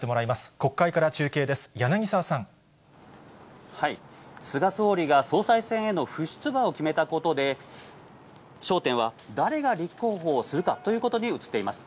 国会から中継です、菅総理が総裁選への不出馬を決めたことで、焦点は誰が立候補をするかということに移っています。